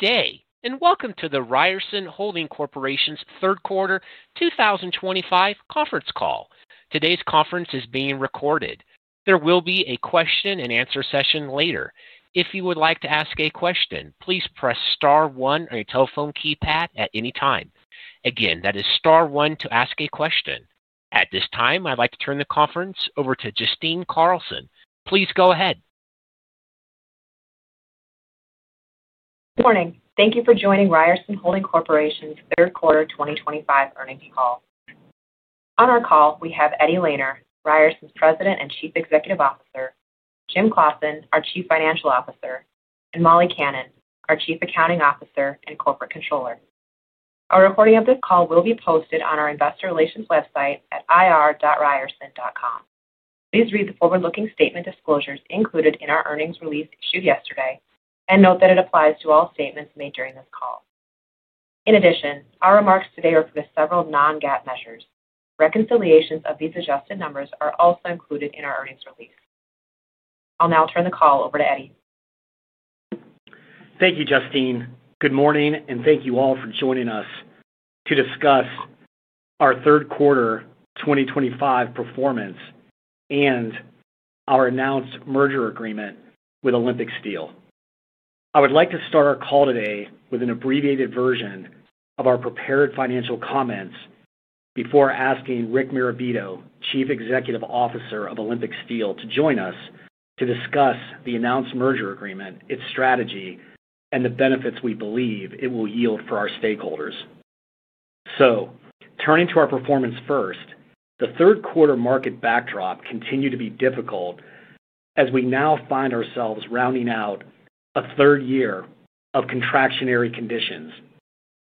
Good day, and welcome to the Ryerson Holding Corporation's third quarter 2025 conference call. Today's conference is being recorded. There will be a question-and-answer session later. If you would like to ask a question, please press star one on your telephone keypad at any time. Again, that is star one to ask a question. At this time, I'd like to turn the conference over to Justine Carlson. Please go ahead. Good morning. Thank you for joining Ryerson Holding Corporation's third quarter 2025 earnings call. On our call, we have Eddie Lehner, Ryerson's President and Chief Executive Officer; Jim Claussen, our Chief Financial Officer; and Molly Kannan, our Chief Accounting Officer and Corporate Controller. A recording of this call will be posted on our investor relations website at ir.olysteel.com. Please read the forward-looking statement disclosures included in our earnings release issued yesterday and note that it applies to all statements made during this call. In addition, our remarks today are for the several non-GAAP measures. Reconciliations of these adjusted numbers are also included in our earnings release. I'll now turn the call over to Eddie. Thank you, Justine. Good morning, and thank you all for joining us to discuss our third quarter 2025 performance and our announced merger agreement with Olympic Steel. I would like to start our call today with an abbreviated version of our prepared financial comments before asking Rick Marabito, Chief Executive Officer of Olympic Steel, to join us to discuss the announced merger agreement, its strategy, and the benefits we believe it will yield for our stakeholders. Turning to our performance first, the third-quarter market backdrop continued to be difficult as we now find ourselves rounding out a third year of contractionary conditions.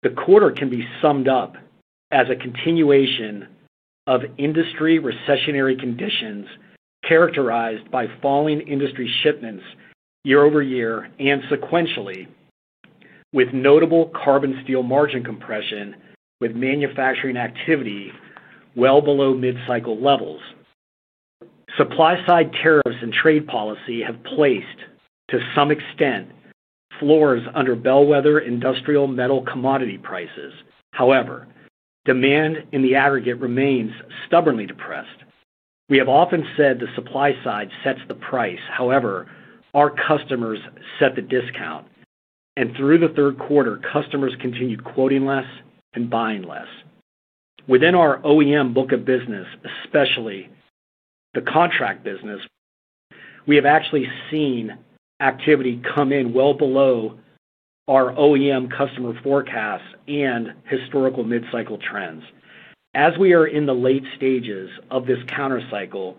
The quarter can be summed up as a continuation of industry recessionary conditions characterized by falling industry shipments year over year and sequentially, with notable carbon steel margin compression with manufacturing activity well below mid-cycle levels. Supply-side tariffs and trade policy have placed, to some extent, floors under bellwether industrial metal commodity prices. However, demand in the aggregate remains stubbornly depressed. We have often said the supply side sets the price; however, our customers set the discount. Through the third quarter, customers continued quoting less and buying less. Within our OEM book of business, especially the contract business, we have actually seen activity come in well below our OEM customer forecasts and historical mid-cycle trends. As we are in the late stages of this countercycle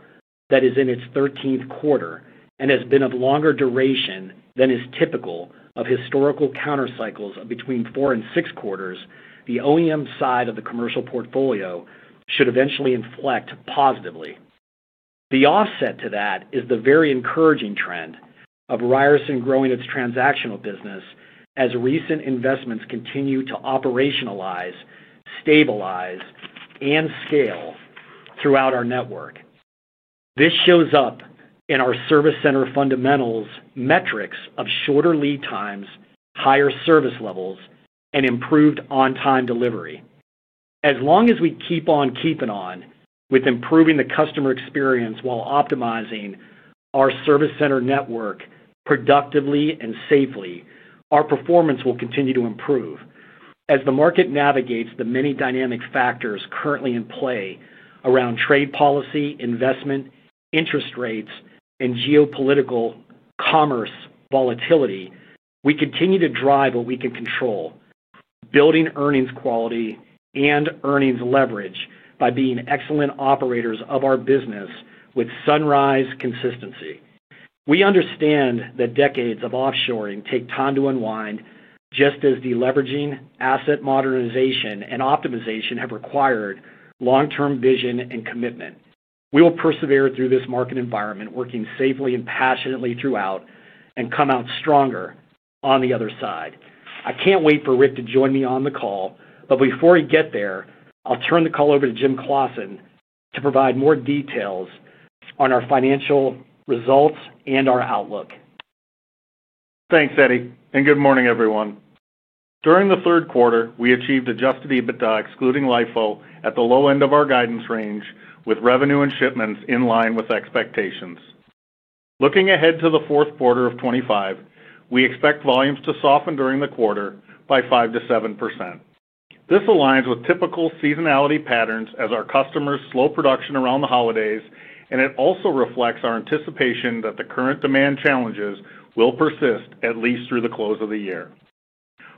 that is in its 13th quarter and has been of longer duration than is typical of historical countercycles between four and six quarters, the OEM side of the commercial portfolio should eventually inflect positively. The offset to that is the very encouraging trend of Ryerson growing its transactional business as recent investments continue to operationalize, stabilize, and scale throughout our network. This shows up in our service center fundamentals metrics of shorter lead times, higher service levels, and improved on-time delivery. As long as we keep on keeping on with improving the customer experience while optimizing our service center network productively and safely, our performance will continue to improve as the market navigates the many dynamic factors currently in play around trade policy, investment, interest rates, and geopolitical commerce volatility. We continue to drive what we can control, building earnings quality and earnings leverage by being excellent operators of our business with sunrise consistency. We understand that decades of offshoring take time to unwind, just as deleveraging, asset modernization, and optimization have required long-term vision and commitment. We will persevere through this market environment, working safely and passionately throughout, and come out stronger on the other side. I can't wait for Rick to join me on the call, but before we get there, I'll turn the call over to Jim Claussen to provide more details on our financial results and our outlook. Thanks, Eddie. Good morning, everyone. During the third quarter, we achieved adjusted EBITDA excluding LIFO at the low end of our guidance range, with revenue and shipments in line with expectations. Looking ahead to the fourth quarter of 2025, we expect volumes to soften during the quarter by 5% to 7%. This aligns with typical seasonality patterns as our customers slow production around the holidays, and it also reflects our anticipation that the current demand challenges will persist, at least through the close of the year.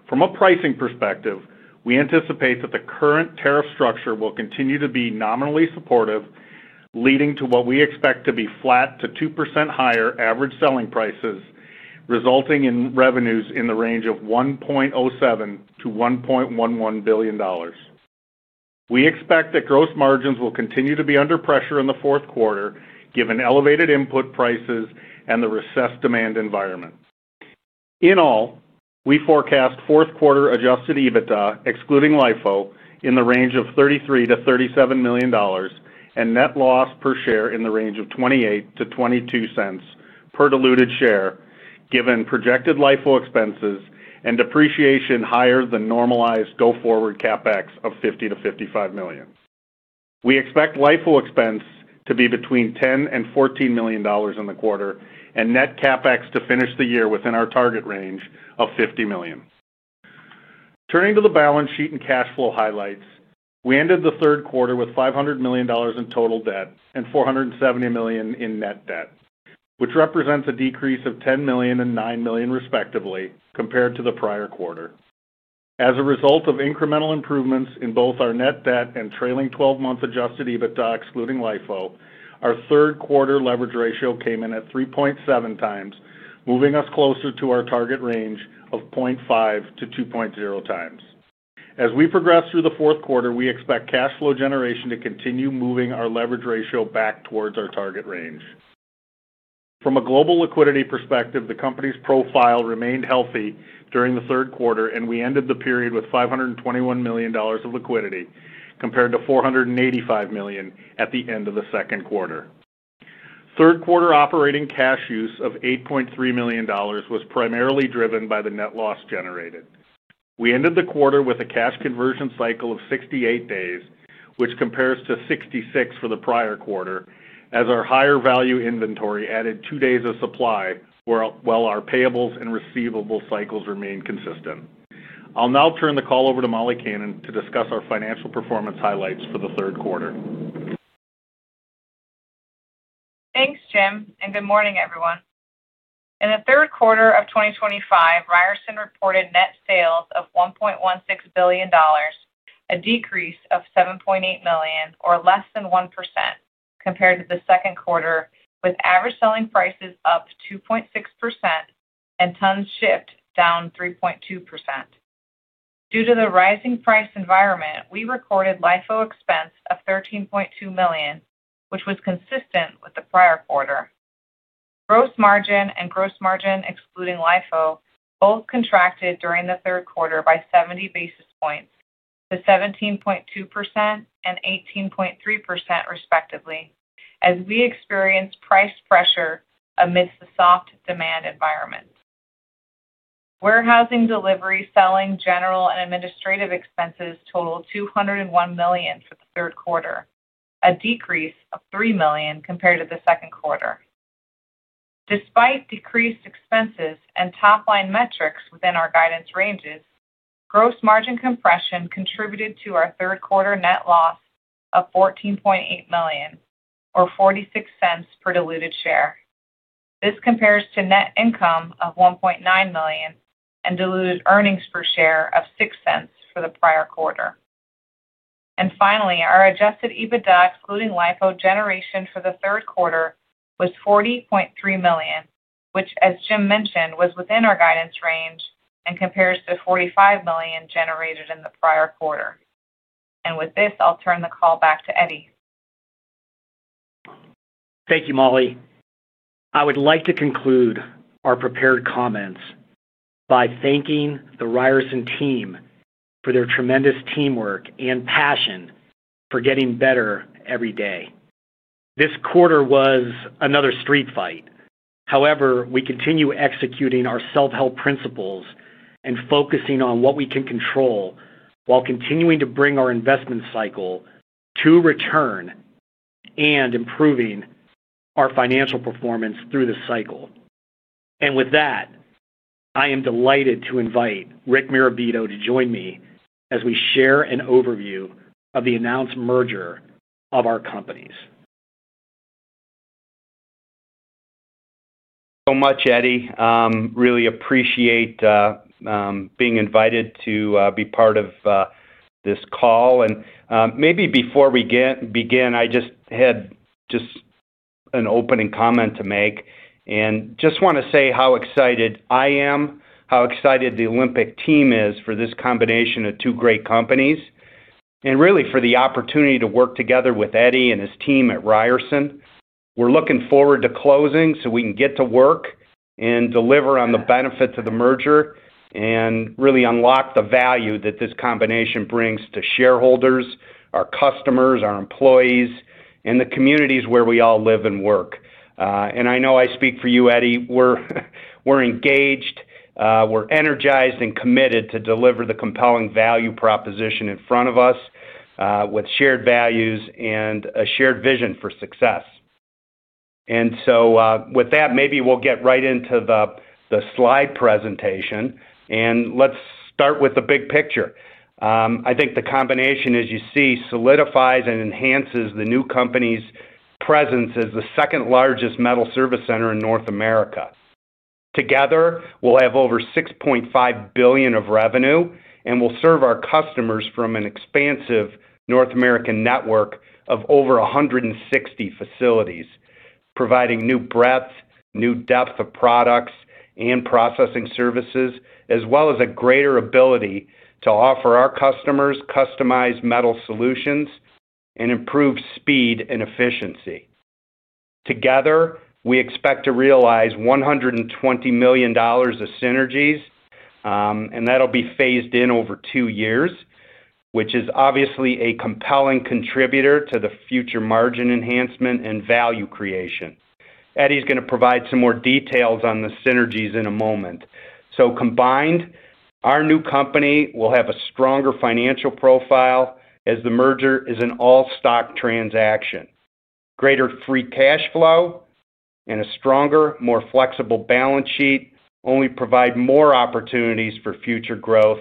From a pricing perspective, we anticipate that the current tariff structure will continue to be nominally supportive, leading to what we expect to be flat to 2% higher average selling prices, resulting in revenues in the range of $1.07 billion-$1.11 billion. We expect that gross margins will continue to be under pressure in the fourth quarter, given elevated input prices and the recessed demand environment. In all, we forecast fourth-quarter adjusted EBITDA excluding LIFO in the range of $33 million-$37 million and net loss per share in the range of $0.28-$0.22 per diluted share, given projected LIFO expenses and depreciation higher than normalized go-forward CapEx of $50 million-$55 million. We expect LIFO expense to be between $10 million and $14 million in the quarter and net CapEx to finish the year within our target range of $50 million. Turning to the balance sheet and cash flow highlights, we ended the third quarter with $500 million in total debt and $470 million in net debt, which represents a decrease of $10 million and $9 million, respectively, compared to the prior quarter. As a result of incremental improvements in both our net debt and trailing 12-month adjusted EBITDA (excluding LIFO), our third-quarter leverage ratio came in at 3.7 times, moving us closer to our target range of 0.5-2.0 times. As we progress through the fourth quarter, we expect cash flow generation to continue moving our leverage ratio back towards our target range. From a global liquidity perspective, the company's profile remained healthy during the third quarter, and we ended the period with $521 million of liquidity, compared to $485 million at the end of the second quarter. Third-quarter operating cash use of $8.3 million was primarily driven by the net loss generated. We ended the quarter with a cash conversion cycle of 68 days, which compares to 66 for the prior quarter, as our higher value inventory added two days of supply while our payables and receivable cycles remained consistent. I'll now turn the call over to Molly Kannan to discuss our financial performance highlights for the third quarter. Thanks, Jim. Good morning, everyone. In the third quarter of 2025, Ryerson reported net sales of $1.16 billion, a decrease of $7.8 million, or less than 1% compared to the second quarter, with average selling prices up 2.6% and tons shipped down 3.2%. Due to the rising price environment, we recorded LIFO expense of $13.2 million, which was consistent with the prior quarter. Gross margin and gross margin excluding LIFO both contracted during the third quarter by 70 basis points to 17.2% and 18.3%, respectively, as we experienced price pressure amidst the soft demand environment. Warehousing, delivery, selling, general, and administrative expenses totaled $201 million for the third quarter, a decrease of $3 million compared to the second quarter. Despite decreased expenses and top-line metrics within our guidance ranges, gross margin compression contributed to our third-quarter net loss of $14.8 million, or $0.46 per diluted share. This compares to net income of $1.9 million and diluted earnings per share of $0.06 for the prior quarter. Finally, our adjusted EBITDA, excluding LIFO generation for the third quarter, was $40.3 million, which, as Jim mentioned, was within our guidance range and compares to $45 million generated in the prior quarter. With this, I'll turn the call back to Eddie. Thank you, Molly. I would like to conclude our prepared comments by thanking the Ryerson team for their tremendous teamwork and passion for getting better every day. This quarter was another street fight. However, we continue executing our self-help principles and focusing on what we can control while continuing to bring our investment cycle to return and improving our financial performance through the cycle. With that, I am delighted to invite Rick Marabito to join me as we share an overview of the announced merger of our companies. so much, Eddie. Really appreciate being invited to be part of this call. Maybe before we begin, I just had an opening comment to make and just want to say how excited I am, how excited the Olympic team is for this combination of two great companies, and really for the opportunity to work together with Eddie and his team at Ryerson. We're looking forward to closing so we can get to work and deliver on the benefits of the merger and really unlock the value that this combination brings to shareholders, our customers, our employees, and the communities where we all live and work. I know I speak for you, Eddie. We're engaged, we're energized, and committed to deliver the compelling value proposition in front of us with shared values and a shared vision for success. With that, maybe we'll get right into the slide presentation. Let's start with the big picture. I think the combination, as you see, solidifies and enhances the new company's presence as the second-largest metal service center in North America. Together, we'll have over $6.5 billion of revenue and will serve our customers from an expansive North American network of over 160 facilities, providing new breadth, new depth of products and processing services, as well as a greater ability to offer our customers customized metal solutions and improved speed and efficiency. Together, we expect to realize $120 million of synergies, and that'll be phased in over two years, which is obviously a compelling contributor to the future margin enhancement and value creation. Eddie's going to provide some more details on the synergies in a moment. Combined, our new company will have a stronger financial profile as the merger is an all-stock transaction. Greater free cash flow and a stronger, more flexible balance sheet only provide more opportunities for future growth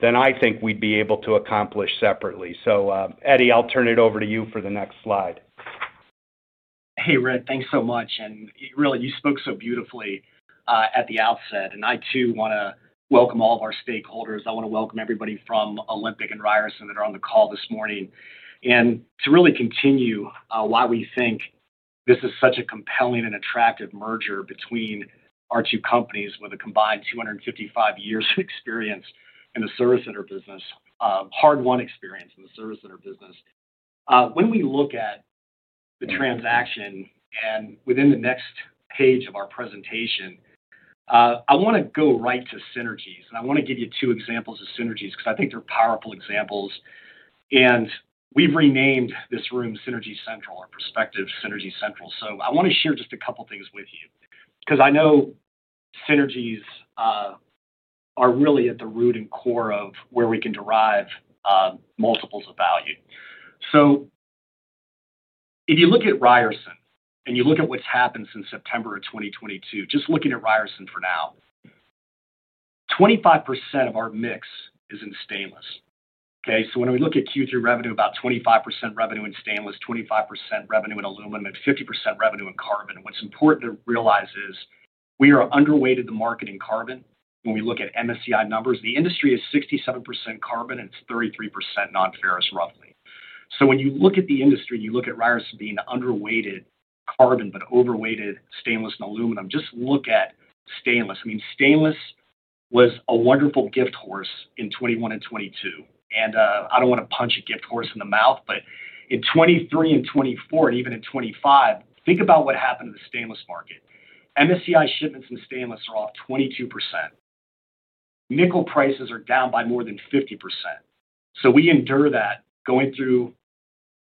than I think we'd be able to accomplish separately. Eddie, I'll turn it over to you for the next slide. Hey, Rick, thanks so much. You spoke so beautifully at the outset. I, too, want to welcome all of our stakeholders. I want to welcome everybody from Olympic and Ryerson that are on the call this morning and to really continue why we think this is such a compelling and attractive merger between our two companies with a combined 255 years of experience in the service center business, hard-won experience in the service center business. When we look at the transaction and within the next page of our presentation, I want to go right to synergies. I want to give you two examples of synergies because I think they're powerful examples. We've renamed this room Synergy Central, our prospective Synergy Central. I want to share just a couple of things with you because I know synergies are really at the root and core of where we can derive multiples of value. If you look at Ryerson and you look at what's happened since September of 2022, just looking at Ryerson for now, 25% of our mix is in stainless. When we look at Q3 revenue, about 25% revenue in stainless, 25% revenue in aluminum, and 50% revenue in carbon. What's important to realize is we are underweighted the market in carbon. When we look at MSCI numbers, the industry is 67% carbon and it's 33% non-ferrous, roughly. When you look at the industry, you look at Ryerson being underweighted carbon but overweighted stainless and aluminum, just look at stainless. Stainless was a wonderful gift horse in 2021 and 2022. I don't want to punch a gift horse in the mouth, but in 2023 and 2024, and even in 2025, think about what happened to the stainless market. MSCI shipments in stainless are off 22%. Nickel prices are down by more than 50%. We endure that, going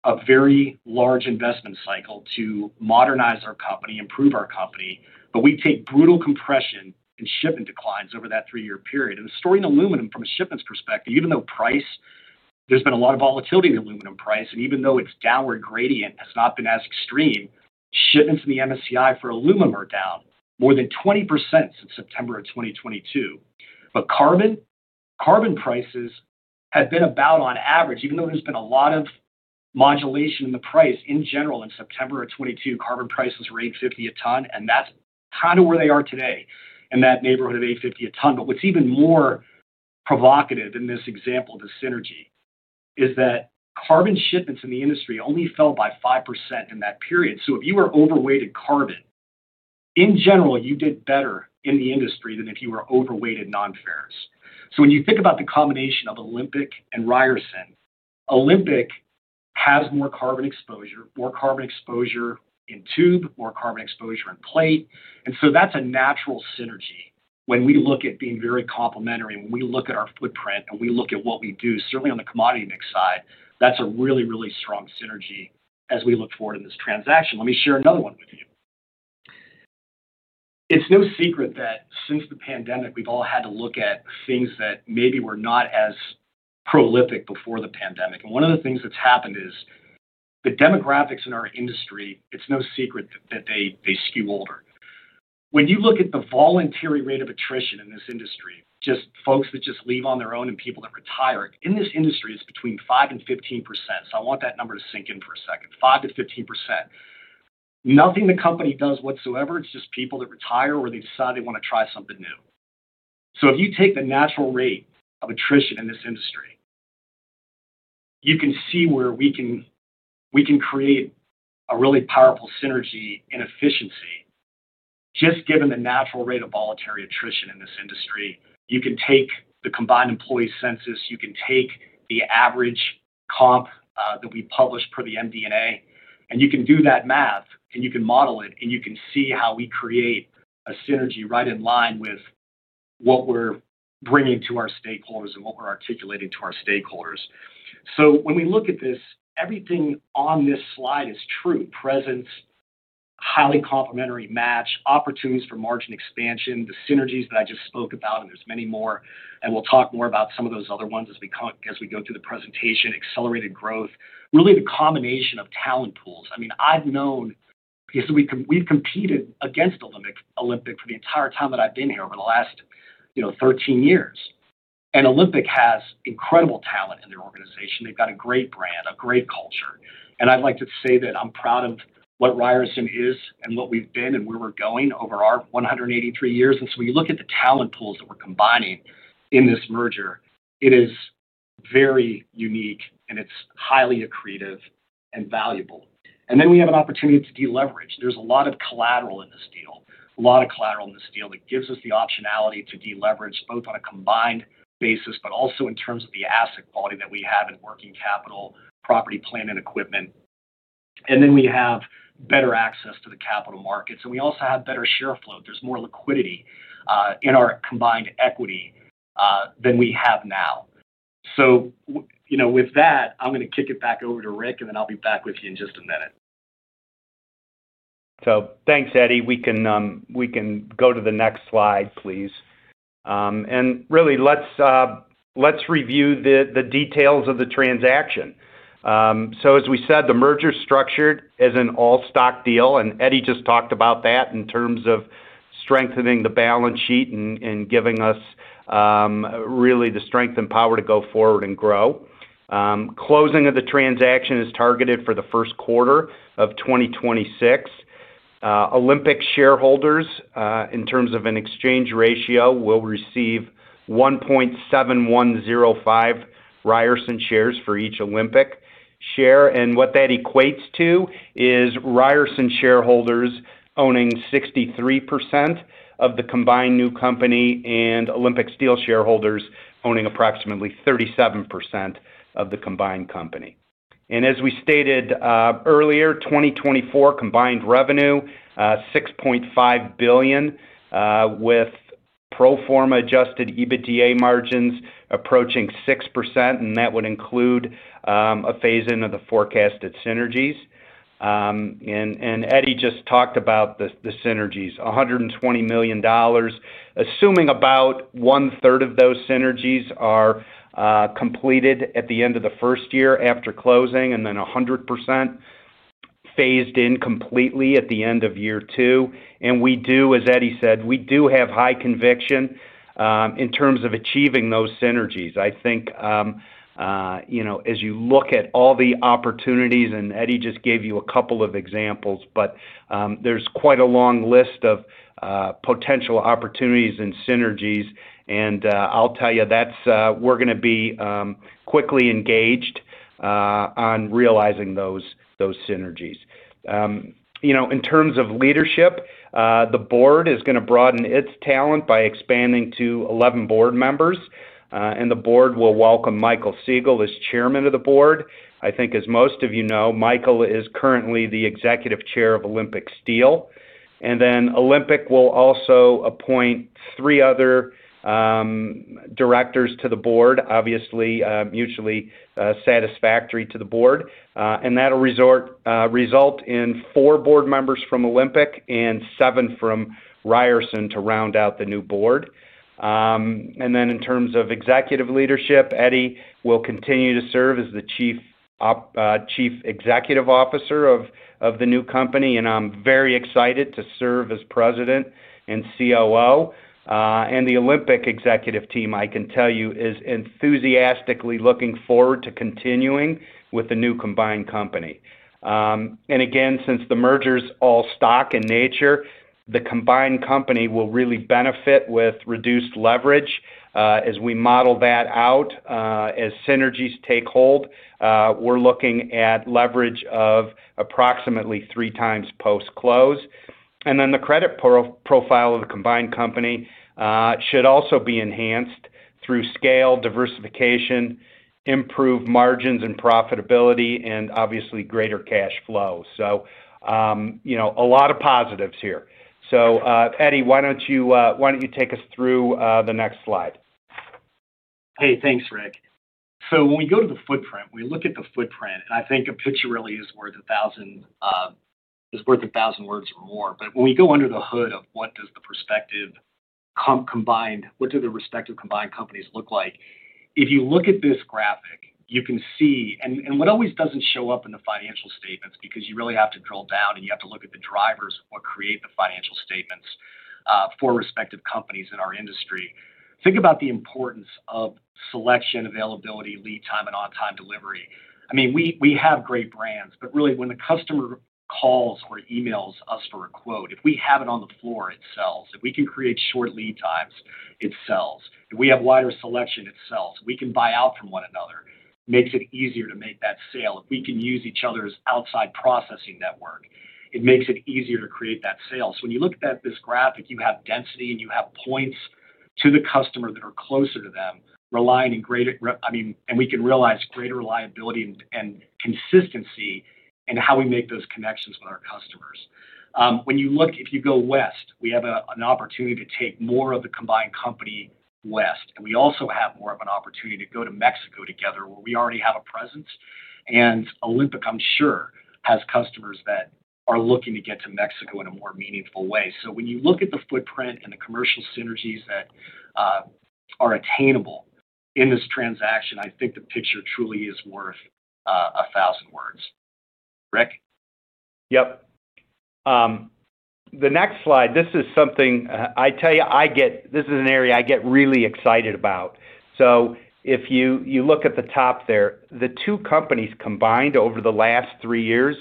through a very large investment cycle to modernize our company, improve our company, but we take brutal compression and shipment declines over that three-year period. The story in aluminum from a shipments perspective, even though price, there's been a lot of volatility in aluminum price, and even though its downward gradient has not been as extreme, shipments in the MSCI for aluminum are down more than 20% since September of 2022. Carbon, carbon prices have been about on average, even though there's been a lot of modulation in the price in general. In September of 2022, carbon prices were $850 a ton, and that's kind of where they are today in that neighborhood of $850 a ton. What's even more. Provocative in this example of the synergy is that carbon shipments in the industry only fell by 5% in that period. If you were overweighted carbon, in general, you did better in the industry than if you were overweighted non-ferrous. When you think about the combination of Olympic and Ryerson, Olympic has more carbon exposure, more carbon exposure in tube, more carbon exposure in plate. That's a natural synergy. When we look at being very complementary, when we look at our footprint and we look at what we do, certainly on the commodity mix side, that's a really, really strong synergy as we look forward in this transaction. Let me share another one with you. It's no secret that since the pandemic, we've all had to look at things that maybe were not as prolific before the pandemic. One of the things that's happened is the demographics in our industry, it's no secret that they skew older. When you look at the voluntary rate of attrition in this industry, just folks that just leave on their own and people that retire, in this industry, it's between 5% and 15%. I want that number to sink in for a second. 5% to 15%. Nothing the company does whatsoever. It's just people that retire or they decide they want to try something new. If you take the natural rate of attrition in this industry, you can see where we can create a really powerful synergy in efficiency just given the natural rate of voluntary attrition in this industry. You can take the combined employee census, you can take the average comp that we publish per the MD&A, and you can do that math, and you can model it, and you can see how we create a synergy right in line with what we're bringing to our stakeholders and what we're articulating to our stakeholders. When we look at this, everything on this slide is true. Presence, highly complementary match, opportunities for margin expansion, the synergies that I just spoke about, and there's many more. We'll talk more about some of those other ones as we go through the presentation, accelerated growth, really the combination of talent pools. I've known, we've competed against Olympic for the entire time that I've been here over the last 13 years. Olympic has incredible talent in their organization. They've got a great brand, a great culture. I'd like to say that I'm proud of what Ryerson is and what we've been and where we're going over our 183 years. When you look at the talent pools that we're combining in this merger, it is very unique, and it's highly accretive and valuable. We have an opportunity to deleverage. There's a lot of collateral in this deal, a lot of collateral in this deal that gives us the optionality to deleverage both on a combined basis, but also in terms of the asset quality that we have in working capital, property, plant, and equipment. We have better access to the capital markets, and we also have better share flow. There's more liquidity in our combined equity than we have now. With that, I'm going to kick it back over to Rick, and then I'll be back with you in just a minute. Thanks, Eddie. We can go to the next slide, please. Let's review the details of the transaction. As we said, the merger is structured as an all-stock deal. Eddie just talked about that in terms of strengthening the balance sheet and giving us the strength and power to go forward and grow. Closing of the transaction is targeted for the first quarter of 2026. Olympic shareholders, in terms of an exchange ratio, will receive 1.7105 Ryerson shares for each Olympic share. That equates to Ryerson shareholders owning 63% of the combined new company and Olympic Steel shareholders owning approximately 37% of the combined company. As we stated earlier, 2024 combined revenue is $6.5 billion, with pro forma adjusted EBITDA margins approaching 6%. That would include a phase-in of the forecasted synergies. Eddie just talked about the synergies, $120 million, assuming about one-third of those synergies are completed at the end of the first year after closing, and then 100% phased in completely at the end of year two. We do, as Eddie said, have high conviction in terms of achieving those synergies. As you look at all the opportunities, and Eddie just gave you a couple of examples, there's quite a long list of potential opportunities and synergies. I'll tell you, we're going to be quickly engaged on realizing those synergies. In terms of leadership, the board is going to broaden its talent by expanding to 11 board members. The board will welcome Michael Siegal as Chairman of the Board. As most of you know, Michael is currently the Executive Chair of Olympic Steel. Olympic will also appoint three other directors to the board, obviously mutually satisfactory to the board. That will result in four board members from Olympic and seven from Ryerson to round out the new board. In terms of executive leadership, Eddie will continue to serve as the Chief Executive Officer of the new company. I'm very excited to serve as President and COO. The Olympic executive team, I can tell you, is enthusiastically looking forward to continuing with the new combined company. Since the merger is all stock in nature, the combined company will really benefit with reduced leverage as we model that out. As synergies take hold, we're looking at leverage of approximately three times post-close. The credit profile of the combined company should also be enhanced through scale, diversification, improved margins and profitability, and obviously greater cash flow. A lot of positives here. Eddie, why don't you take us through the next slide? Hey, thanks, Rick. When we go to the footprint, when we look at the footprint, I think a picture really is worth a thousand words or more. When we go under the hood of what do the respective combined companies look like, if you look at this graphic, you can see, and what always doesn't show up in the financial statements because you really have to drill down and you have to look at the drivers of what create the financial statements for respective companies in our industry. Think about the importance of selection, availability, lead time, and on-time delivery. We have great brands, but really, when the customer calls or emails us for a quote, if we have it on the floor, it sells. If we can create short lead times, it sells. If we have wider selection, it sells. If we can buy out from one another, it makes it easier to make that sale. If we can use each other's outside processing network, it makes it easier to create that sale. When you look at this graphic, you have density and you have points to the customer that are closer to them, and we can realize greater reliability and consistency in how we make those connections with our customers. If you go west, we have an opportunity to take more of the combined company west. We also have more of an opportunity to go to Mexico together where we already have a presence. Olympic, I'm sure, has customers that are looking to get to Mexico in a more meaningful way. When you look at the footprint and the commercial synergies that are attainable in this transaction, I think the picture truly is worth a thousand words. Rick? Yep. The next slide, this is something I tell you, I get, this is an area I get really excited about. If you look at the top there, the two companies combined over the last three years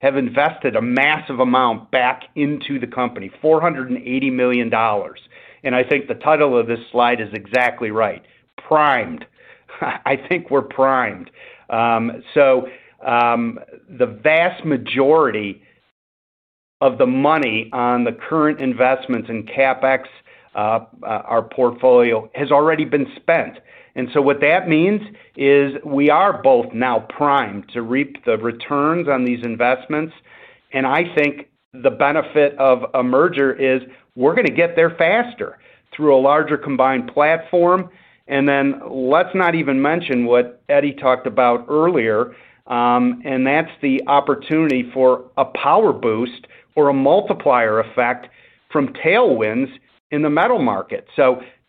have invested a massive amount back into the company, $480 million. I think the title of this slide is exactly right. Primed. I think we're primed. The vast majority of the money on the current investments in CapEx, our portfolio has already been spent. What that means is we are both now primed to reap the returns on these investments. I think the benefit of a merger is we're going to get there faster through a larger combined platform. Let's not even mention what Eddie talked about earlier, and that's the opportunity for a power boost or a multiplier effect from tailwinds in the metal market.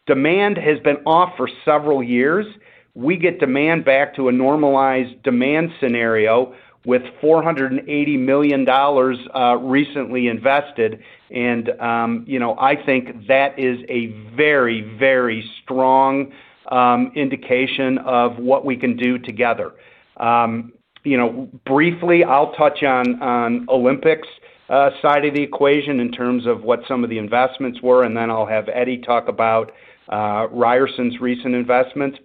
Demand has been off for several years. We get demand back to a normalized demand scenario with $480 million recently invested. I think that is a very, very strong indication of what we can do together. Briefly, I'll touch on Olympic's side of the equation in terms of what some of the investments were, and then I'll have Eddie talk about Ryerson's recent investments.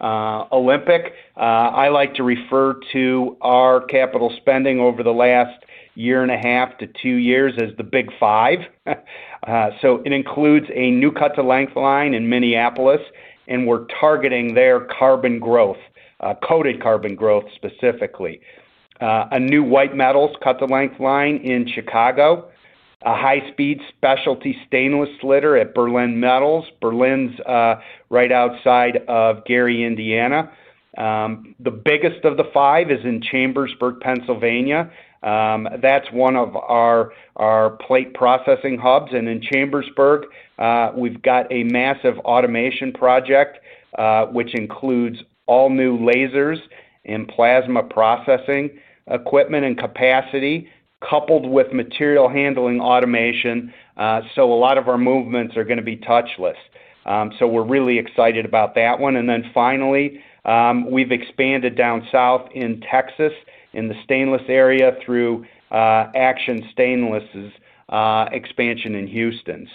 Olympic, I like to refer to our capital spending over the last year and a half to two years as the Big Five. It includes a new cut-to-length line in Minneapolis, and we're targeting their carbon growth, coated carbon growth specifically. A new white metals cut-to-length line in Chicago, a high-speed specialty stainless slitter at Berlin Metals, Berlin's right outside of Gary, Indiana. The biggest of the five is in Chambersburg, Pennsylvania. That's one of our plate processing hubs. In Chambersburg, we've got a massive automation project, which includes all new lasers and plasma processing equipment and capacity coupled with material handling automation. A lot of our movements are going to be touchless, so we're really excited about that one. Finally, we've expanded down south in Texas in the stainless area through Action Stainless's expansion in Houston.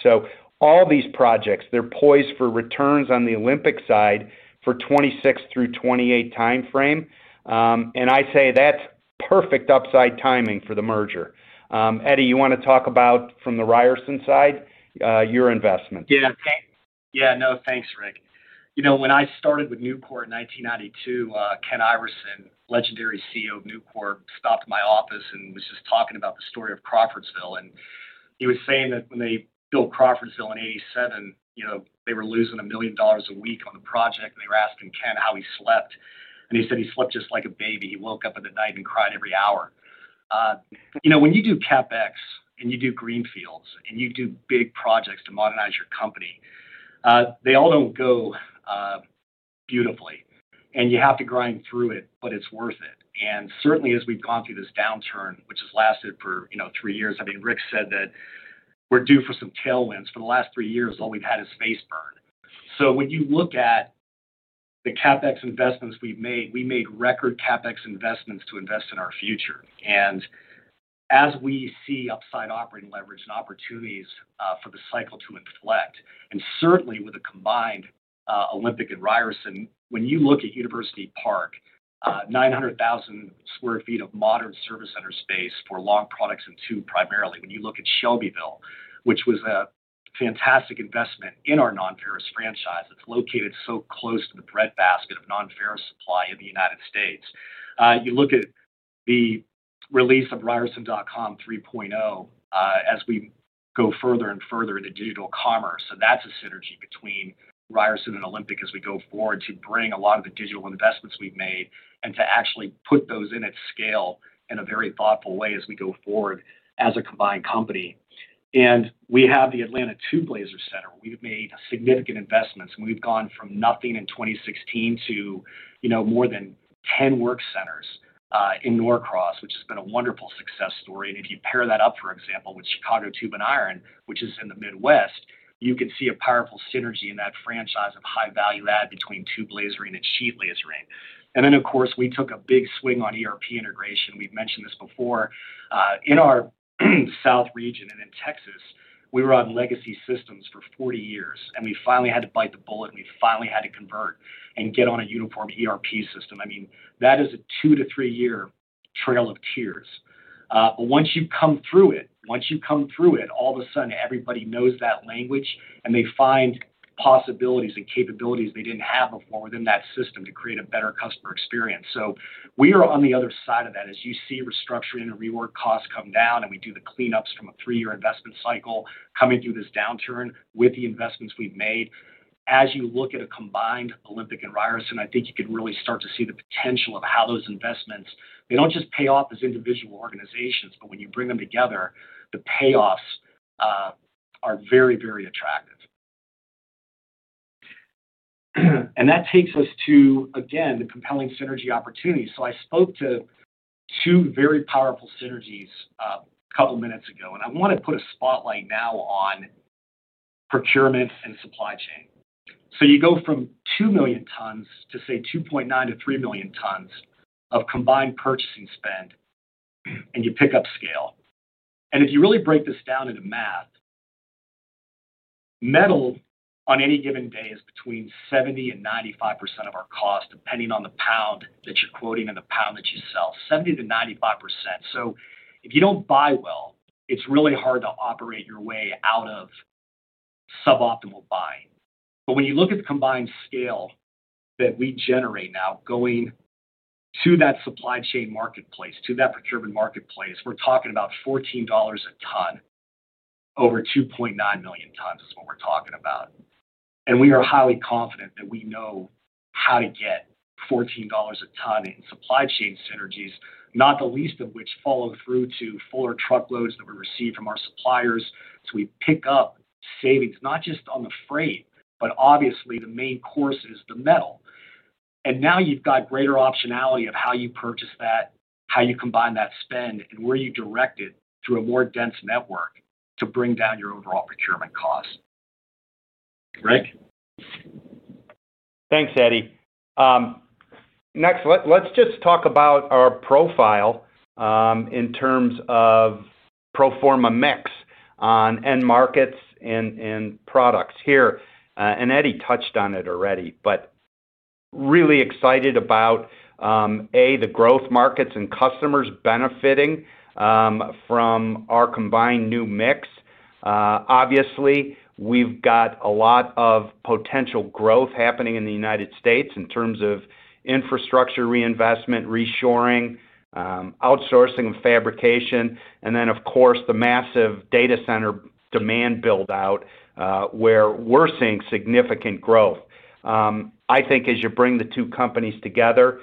All these projects, they're poised for returns on the Olympic side for 2026 through 2028 timeframe. I say that's perfect upside timing for the merger. Eddie, you want to talk about from the Ryerson side, your investment? Yeah. Yeah. No, thanks, Rick. When I started with Nucor in 1992, Ken Iverson, legendary CEO of Nucor, stopped at my office and was just talking about the story of Crawfordsville. He was saying that when they built Crawfordsville in 1987, they were losing $1 million a week on the project. They were asking Ken how he slept. He said he slept just like a baby. He woke up in the night and cried every hour. When you do CapEx and you do greenfields and you do big projects to modernize your company, they all don't go beautifully. You have to grind through it, but it's worth it. Certainly, as we've gone through this downturn, which has lasted for three years, I mean, Rick said that we're due for some tailwinds. For the last three years, all we've had is face burn. When you look at the CapEx investments we've made, we made record CapEx investments to invest in our future. As we see upside operating leverage and opportunities for the cycle to inflect, certainly with a combined Olympic and Ryerson, when you look at University Park, 900,000 sq ft of modern service center space for long products and two primarily. When you look at Shelbyville, which was a fantastic investment in our non-ferrous franchise, it's located so close to the breadbasket of non-ferrous supply in the United States. You look at the release of ryerson.com 3.0 as we go further and further into digital commerce. That's a synergy between Ryerson and Olympic as we go forward to bring a lot of the digital investments we've made and to actually put those in at scale in a very thoughtful way as we go forward as a combined company. We have the Atlanta Tube Laser Center. We've made significant investments. We've gone from nothing in 2016 to more than 10 work centers in Norcross, which has been a wonderful success story. If you pair that up, for example, with Chicago Tube and Iron, which is in the Midwest, you can see a powerful synergy in that franchise of high value add between two blasering and sheet lasering. Of course, we took a big swing on ERP integration. We've mentioned this before. In our south region and in Texas, we were on legacy systems for 40 years. We finally had to bite the bullet. We finally had to convert and get on a uniform ERP system. That is a two to three-year trail of tears. Once you come through it, once you come through it, all of a sudden, everybody knows that language. They find possibilities and capabilities they didn't have before within that system to create a better customer experience. We are on the other side of that. As you see restructuring and rework costs come down, and we do the cleanups from a three-year investment cycle coming through this downturn with the investments we've made, as you look at a combined Olympic and Ryerson, I think you can really start to see the potential of how those investments, they don't just pay off as individual organizations, but when you bring them together, the payoffs are very, very attractive. That takes us to, again, the compelling synergy opportunities. I spoke to two very powerful synergies a couple of minutes ago. I want to put a spotlight now on procurement and supply chain. You go from two million tons to, say, 2.9 million to three million tons of combined purchasing spend, and you pick up scale. If you really break this down into math, metal on any given day is between 70% and 95% of our cost, depending on the pound that you're quoting and the pound that you sell, 70% to 95%. If you don't buy well, it's really hard to operate your way out of suboptimal buying. When you look at the combined scale that we generate now, going to that supply chain marketplace, to that procurement marketplace, we're talking about $14 a ton. Over 2.9 million tons is what we're talking about. We are highly confident that we know how to get $14 a ton in supply chain synergies, not the least of which follow through to fuller truckloads that we receive from our suppliers. We pick up savings, not just on the freight, but obviously, the main course is the metal. Now you've got greater optionality of how you purchase that, how you combine that spend, and where you direct it through a more dense network to bring down your overall procurement cost. Rick? Thanks, Eddie. Next, let's just talk about our profile. In terms of pro forma mix on end markets and products here. Eddie touched on it already, but really excited about the growth markets and customers benefiting from our combined new mix. Obviously, we've got a lot of potential growth happening in the United States in terms of infrastructure reinvestment, reshoring, outsourcing, and fabrication. Of course, the massive data center demand build-out where we're seeing significant growth. I think as you bring the two companies together,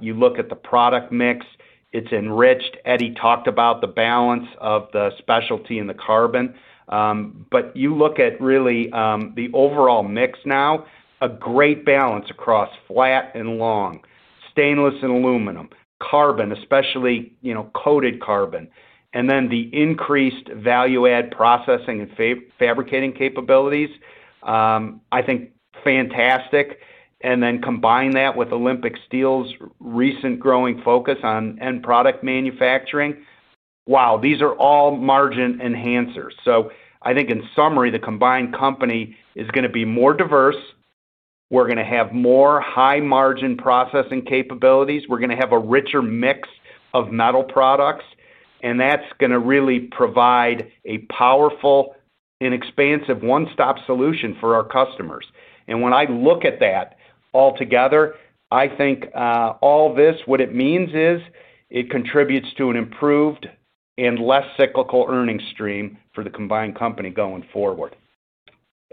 you look at the product mix, it's enriched. Eddie talked about the balance of the specialty and the carbon. You look at really the overall mix now, a great balance across flat and long, stainless and aluminum, carbon, especially coated carbon. The increased value-add processing and fabricating capabilities, I think, fantastic. Combine that with Olympic Steel's recent growing focus on end product manufacturing. These are all margin enhancers. I think in summary, the combined company is going to be more diverse. We're going to have more high-margin processing capabilities. We're going to have a richer mix of metal products. That's going to really provide a powerful and expansive one-stop solution for our customers. When I look at that altogether, I think all this, what it means is it contributes to an improved and less cyclical earnings stream for the combined company going forward.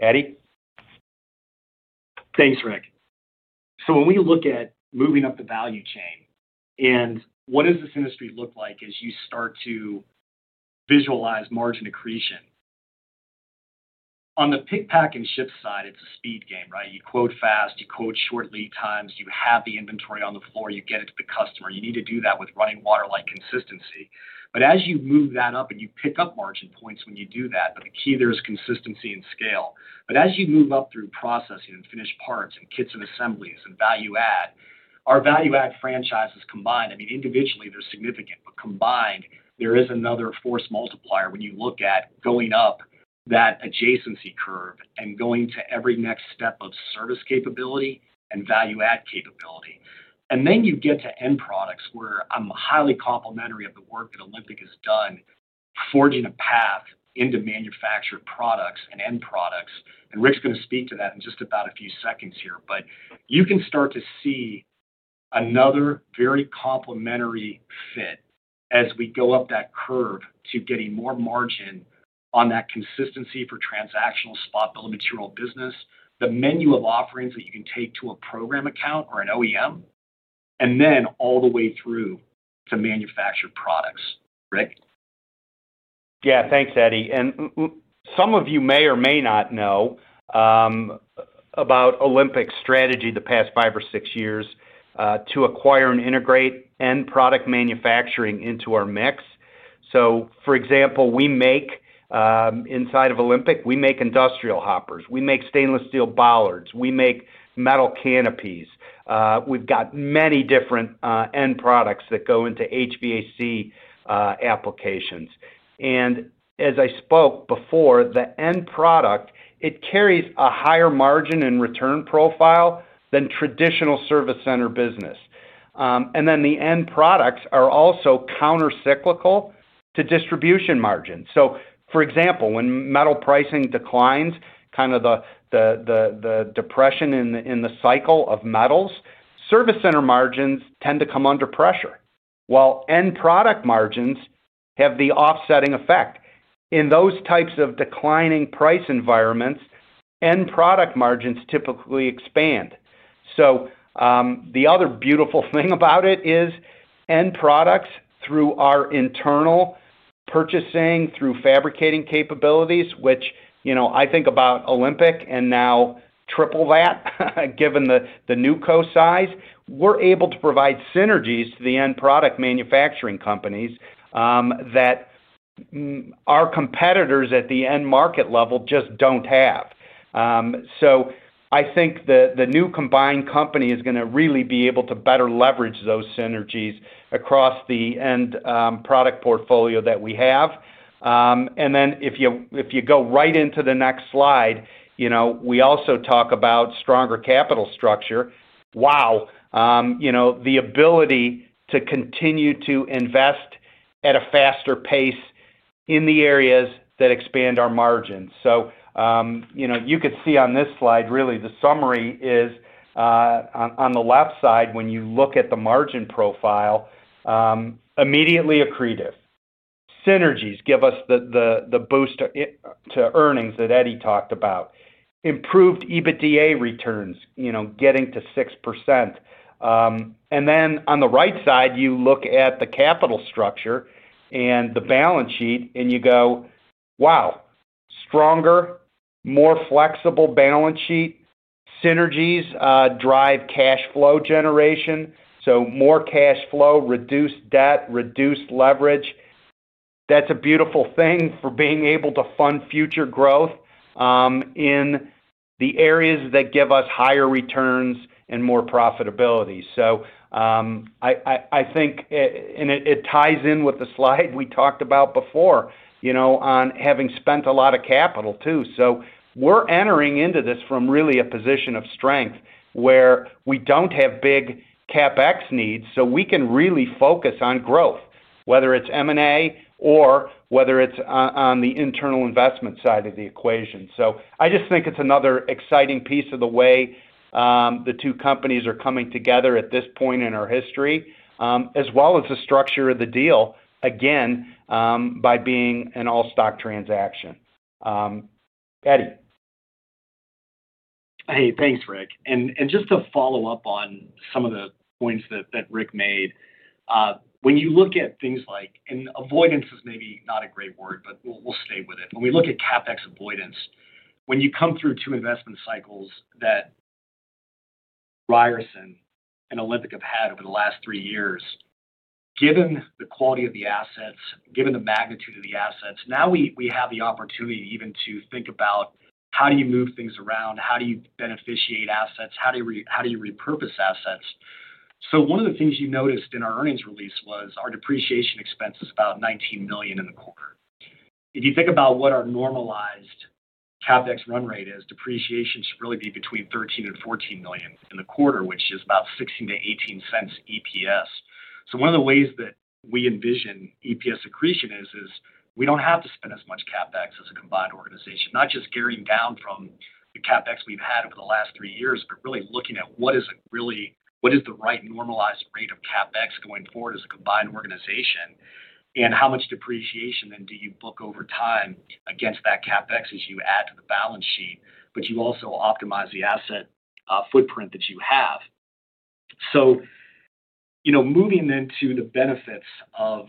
Eddie? Thanks, Rick. When we look at moving up the value chain and what this industry looks like as you start to visualize margin accretion, on the pick, pack, and ship side, it's a speed game, right? You quote fast, you quote short lead times, you have the inventory on the floor, you get it to the customer. You need to do that with running water-like consistency. As you move that up, you pick up margin points when you do that. The key there is consistency and scale. As you move up through processing and finished parts and kits and assemblies and value-add, our value-add franchises combined, individually, they're significant. Combined, there is another force multiplier when you look at going up that adjacency curve and going to every next step of service capability and value-add capability. You get to end products where I'm highly complimentary of the work that Olympic has done, forging a path into manufactured products and end products. Rick's going to speak to that in just a few seconds here. You can start to see another very complimentary fit as we go up that curve to getting more margin on that consistency for transactional spot bill of material business, the menu of offerings that you can take to a program account or an OEM, and then all the way through to manufactured products. Rick? Yeah. Thanks, Eddie. Some of you may or may not know about Olympic's strategy the past five or six years to acquire and integrate end product manufacturing into our mix. For example, inside of Olympic, we make industrial hoppers, we make stainless steel bollards, we make metal canopies. We've got many different end products that go into HVAC applications. As I spoke before, the end product carries a higher margin and return profile than traditional service center business. The end products are also countercyclical to distribution margins. For example, when metal pricing declines, kind of the depression in the cycle of metals, service center margins tend to come under pressure, while end product margins have the offsetting effect. In those types of declining price environments, end product margins typically expand. The other beautiful thing about it is end products, through our internal purchasing, through fabricating capabilities, which I think about Olympic and now triple that, given the new co-size, we're able to provide synergies to the end product manufacturing companies that our competitors at the end market level just don't have. I think the new combined company is going to really be able to better leverage those synergies across the end product portfolio that we have. If you go right into the next slide, we also talk about stronger capital structure. The ability to continue to invest at a faster pace in the areas that expand our margins. You could see on this slide, really, the summary is on the left side, when you look at the margin profile. Immediately accretive. Synergies give us the boost to earnings that Eddie talked about. Improved EBITDA returns, getting to 6%. On the right side, you look at the capital structure and the balance sheet, and you go, "Wow, stronger, more flexible balance sheet." Synergies drive cash flow generation. More cash flow, reduced debt, reduced leverage. That's a beautiful thing for being able to fund future growth in the areas that give us higher returns and more profitability. I think it ties in with the slide we talked about before on having spent a lot of capital too. We're entering into this from really a position of strength where we don't have big CapEx needs. We can really focus on growth, whether it's M&A or whether it's on the internal investment side of the equation. I just think it's another exciting piece of the way the two companies are coming together at this point in our history, as well as the structure of the deal, again, by being an all-stock transaction. Eddie. Hey, thanks, Rick. Just to follow up on some of the points that Rick made, when you look at things like, and avoidance is maybe not a great word, but we'll stay with it, when we look at CapEx avoidance, when you come through two investment cycles that Ryerson and Olympic have had over the last three years, given the quality of the assets, given the magnitude of the assets, now we have the opportunity even to think about how do you move things around, how do you beneficiate assets, how do you repurpose assets. One of the things you noticed in our earnings release was our depreciation expense is about $19 million in the quarter. If you think about what our normalized CapEx run rate is, depreciation should really be between $13 million and $14 million in the quarter, which is about $0.16-$0.18 EPS. One of the ways that we envision EPS accretion is we don't have to spend as much CapEx as a combined organization, not just gearing down from the CapEx we've had over the last three years, but really looking at what is the right normalized rate of CapEx going forward as a combined organization and how much depreciation then do you book over time against that CapEx as you add to the balance sheet, but you also optimize the asset footprint that you have. Moving into the benefits of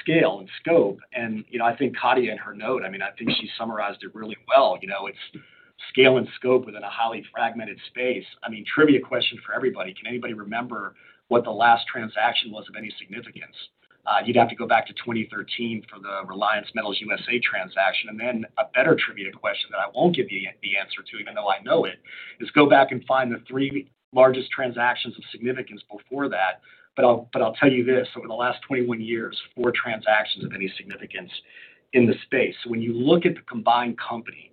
scale and scope, and I think Katia in her note, I mean, I think she summarized it really well. It's scale and scope within a highly fragmented space. Trivia question for everybody: can anybody remember what the last transaction was of any significance? You'd have to go back to 2013 for the Reliance Metals USA transaction. A better trivia question that I won't give you the answer to, even though I know it, is go back and find the three largest transactions of significance before that. I'll tell you this: over the last 21 years, four transactions of any significance in the space. When you look at the combined company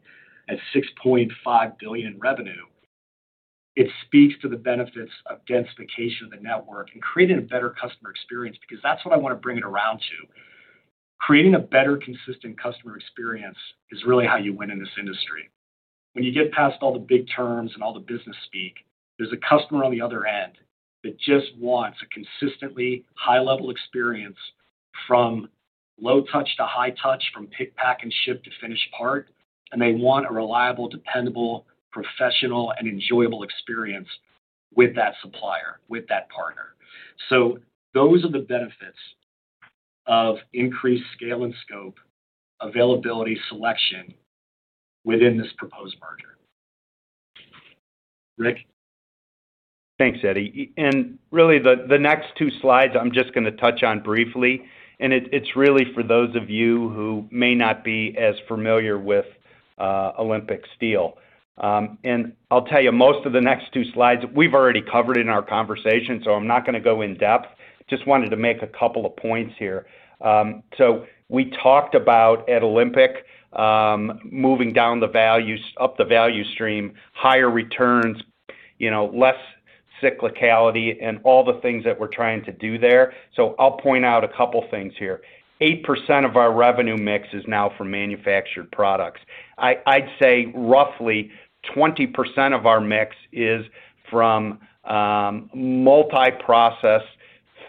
at $6.5 billion in revenue, it speaks to the benefits of densification of the network and creating a better customer experience because that's what I want to bring it around to. Creating a better consistent customer experience is really how you win in this industry. When you get past all the big terms and all the business speak, there's a customer on the other end that just wants a consistently high-level experience from low touch to high touch, from pick, pack, and ship to finished part. They want a reliable, dependable, professional, and enjoyable experience with that supplier, with that partner. Those are the benefits of increased scale and scope, availability, selection within this proposed merger. Rick? Thanks, Eddie. The next two slides I'm just going to touch on briefly. It's really for those of you who may not be as familiar with Olympic Steel. Most of the next two slides we've already covered in our conversation, so I'm not going to go in depth. I just wanted to make a couple of points here. We talked about at Olympic moving up the value stream, higher returns, less cyclicality, and all the things that we're trying to do there. I'll point out a couple of things here. 8% of our revenue mix is now for manufactured products. I'd say roughly 20% of our mix is from multi-process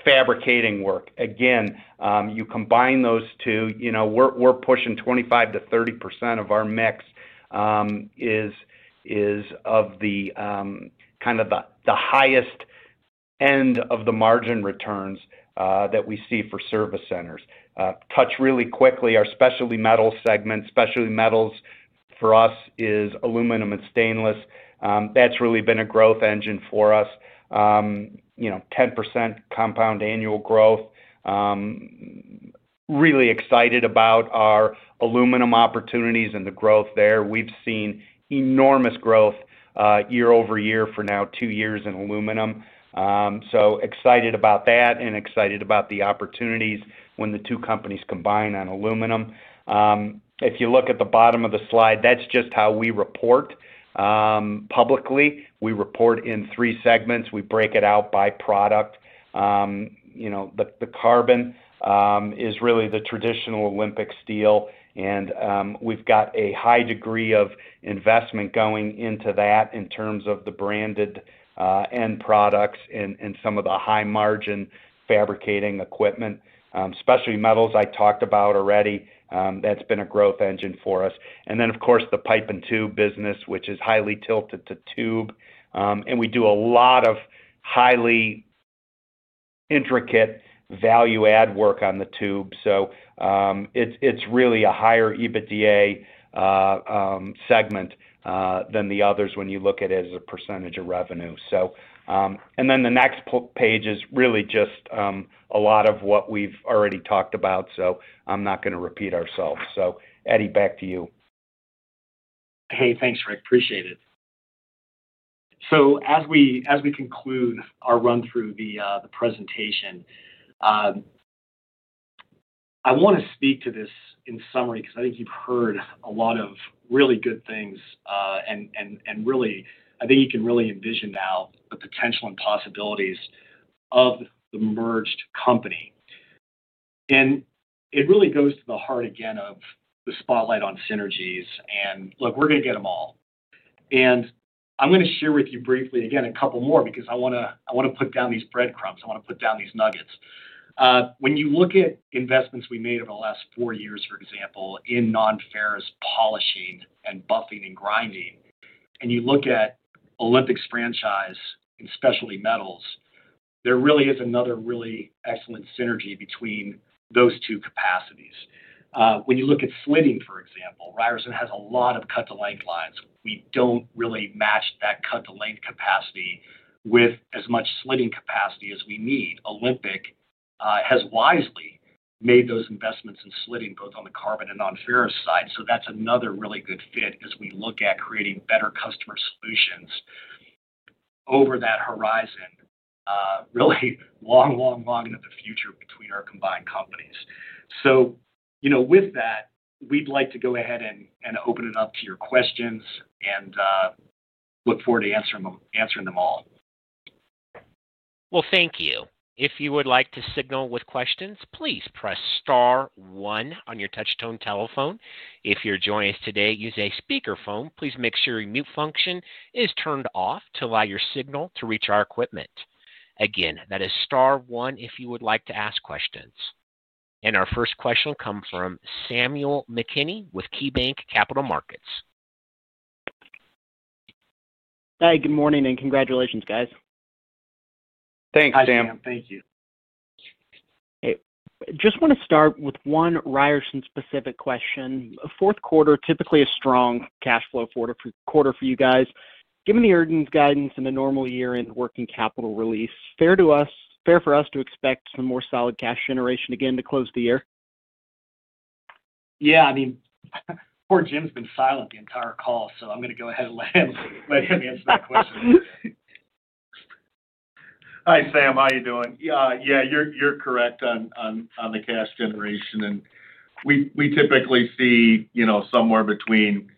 fabricating work. You combine those two, we're pushing 25%-30% of our mix is of the kind of the highest end of the margin returns that we see for service centers. Touching really quickly, our specialty metals segment—specialty metals for us is aluminum and stainless. That's really been a growth engine for us. 10% compound annual growth. Really excited about our aluminum opportunities and the growth there. We've seen enormous growth year over year for now two years in aluminum. Excited about that and excited about the opportunities when the two companies combine on aluminum. If you look at the bottom of the slide, that's just how we report publicly. We report in three segments. We break it out by product. The carbon is really the traditional Olympic Steel, and we've got a high degree of investment going into that in terms of the branded end products and some of the high-margin fabricating equipment. Specialty metals, I talked about already, that's been a growth engine for us. Then, of course, the pipe and tube business, which is highly tilted to tube, and we do a lot of highly intricate value-add work on the tube. It's really a higher EBITDA segment than the others when you look at it as a percentage of revenue. The next page is really just a lot of what we've already talked about, so I'm not going to repeat ourselves. Eddie, back to you. Hey, thanks, Rick. Appreciate it. As we conclude our run-through, the presentation, I want to speak to this in summary because I think you've heard a lot of really good things. I think you can really envision now the potential and possibilities of the merged company. It really goes to the heart again of the spotlight on synergies. Look, we're going to get them all. I'm going to share with you briefly, again, a couple more because I want to put down these breadcrumbs. I want to put down these nuggets. When you look at investments we made over the last four years, for example, in non-ferrous polishing and buffing and grinding, and you look at Olympic's franchise in specialty metals, there really is another really excellent synergy between those two capacities. When you look at slitting, for example, Ryerson has a lot of cut-to-length lines. We don't really match that cut-to-length capacity with as much slitting capacity as we need. Olympic has wisely made those investments in slitting, both on the carbon and non-ferrous side. That's another really good fit as we look at creating better customer solutions over that horizon, really long, long, long into the future between our combined companies. With that, we'd like to go ahead and open it up to your questions and look forward to answering them all. Thank you. If you would like to signal with questions, please press star one on your touch-tone telephone. If you're joining us today, use a speakerphone. Please make sure your mute function is turned off to allow your signal to reach our equipment. Again, that is star one if you would like to ask questions. Our first question will come from Samuel McKinney with KeyBanc Capital Markets. Hey, good morning and congratulations, guys. Thanks, Sam. Hi, Sam. Thank you. Hey, just want to start with one Ryerson specific question. Fourth quarter, typically a strong cash flow quarter for you guys. Given the urgent guidance and the normal year-end working capital release, fair for us to expect some more solid cash generation again to close the year? Yeah. I mean, poor Jim's been silent the entire call, so I'm going to go ahead and let him answer that question. Hi, Sam. How are you doing? Yeah, you're correct on the cash generation. We typically see somewhere between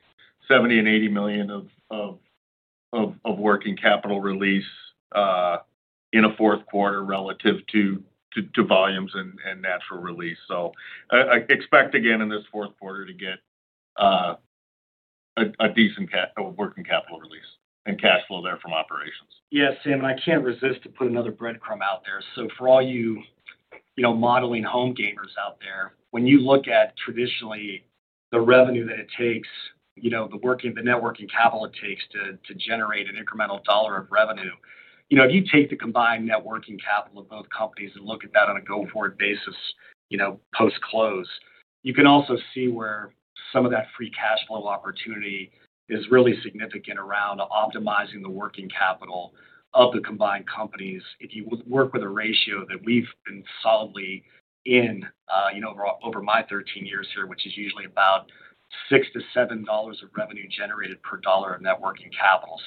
$70 million and $80 million of working capital release in a fourth quarter relative to volumes and natural release. I expect, again, in this fourth quarter to get a decent working capital release and cash flow there from operations. Yeah, Sam. I can't resist to put another breadcrumb out there. For all you modeling home gamers out there, when you look at traditionally the revenue that it takes, the net working capital it takes to generate an incremental dollar of revenue, if you take the combined net working capital of both companies and look at that on a go-forward basis post-close, you can also see where some of that free cash flow opportunity is really significant around optimizing the working capital of the combined companies. If you work with a ratio that we've been solidly in over my 13 years here, which is usually about $6-$7 of revenue generated per dollar of net working capital,